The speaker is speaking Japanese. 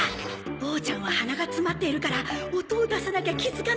ボーちゃんは鼻が詰まっているから音を出さなきゃ気づかないはず！